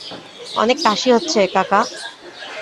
অনেক কাশি হচ্ছে, কাকা।